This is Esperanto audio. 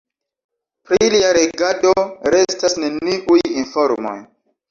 Pri lia regado restas neniuj informoj.